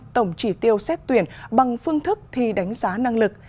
bốn mươi năm tổng chỉ tiêu xét tuyển bằng phương thức thi đánh giá năng lực